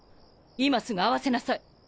今すぐ会わせなさい。